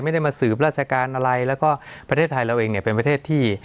ไม่ได้มาสืบราชการอะไรแล้วก็ประเทศไทยเราเองเนี่ยเป็นประเทศที่